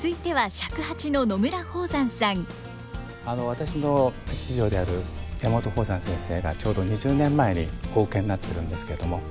私の師匠である山本邦山先生がちょうど２０年前にお受けになってるんですけども。